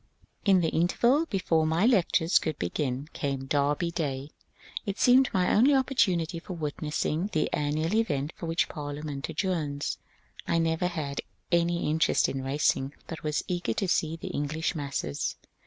In the interval before my lectures could begin came Derby Day. It seemed my only opportunity for witnessing the an nual event for which Parliament adjourns. I never had any interest in racing, but was eager to see the English masses.